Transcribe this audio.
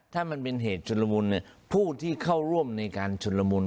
ถ้ามันเป็นเหตุชุลมุนผู้ที่เข้าร่วมในการชุนละมุน